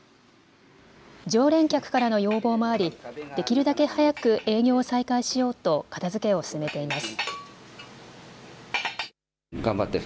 常連客からの要望もありできるだけ早く営業を再開しようと片づけを進めています。